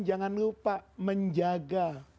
jangan lupa menjaga